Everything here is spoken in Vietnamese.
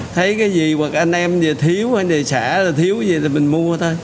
thấy cái gì hoặc anh em gì thiếu anh đề xã thiếu gì thì mình mua thôi